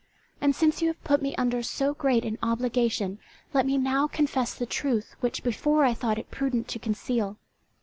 And since you have put me under so great an obligation, let me now confess the truth which before I thought it prudent to conceal.